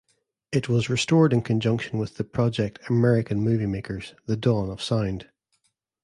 It was restored in conjunction with the project American Moviemakers: The Dawn of Sound.